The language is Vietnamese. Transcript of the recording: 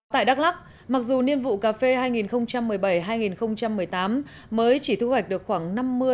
tại đắk lắc mặc dù niên vụ cà phê hai nghìn một mươi bảy hai nghìn một mươi tám mới chỉ thu hoạch được khoảng năm mươi